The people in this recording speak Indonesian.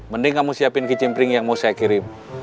mending kamu siapin kicim pring yang mau saya kirim